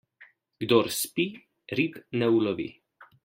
Kdor spi, rib ne ulovi.